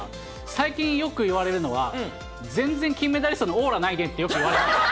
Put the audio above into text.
最近よく言われるのは、全然金メダリストのオーラないねって、よく言われます。